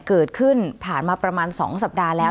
เกิดขึ้นผ่านมาประมาณ๒สัปดาห์แล้ว